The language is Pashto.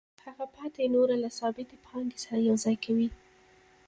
هغه پاتې نوره له ثابتې پانګې سره یوځای کوي